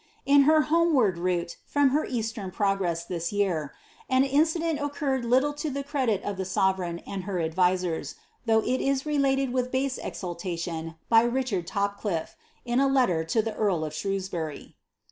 In her homeward route from her eastern progress this year, an incident occurred little to the credii of the sovereign and her advisers, though it is related with base eiulta lion by Richard TopclilTe, In a letter to the carl of Shrewsburj.'